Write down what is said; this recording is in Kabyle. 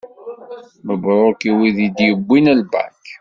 Mebruk i wid i d-yewwin lbak.